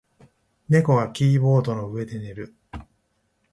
猫がキーボードの上で寝る。